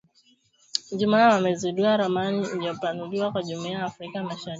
Ijumaa wamezindua ramani iliyopanuliwa ya Jumuiya ya Afrika Mashariki